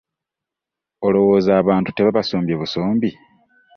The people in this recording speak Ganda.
Olowooza abantu tebaabasombye busombi?